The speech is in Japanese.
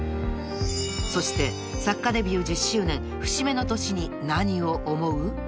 ［そして作家デビュー１０周年節目の年に何を思う？］